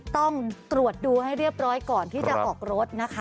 ต้องตรวจดูให้เรียบร้อยก่อนที่จะออกรถนะคะ